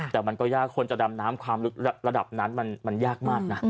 แต่มันก็ยากคนจะดำน้ำระดับนั้นมันยากมาก